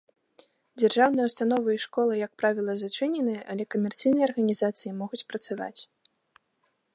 Дзяржаўныя ўстановы і школы, як правіла, зачыненыя, але камерцыйныя арганізацыі могуць працаваць.